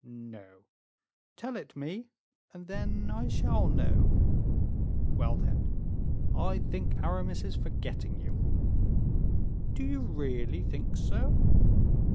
"No, tell it me, and then I shall know." "Well, then, I think Aramis is forgetting you." "Do you really think so?"